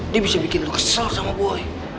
dia bisa bikin kesel sama boy